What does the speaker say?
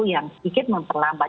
yang sedikit memperlambat